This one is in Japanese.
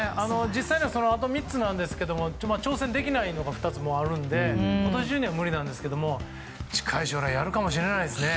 実際にはあと３つなんですが挑戦できないのが２つあってあと１０年は無理なんですが近い将来やるかもしれないですね。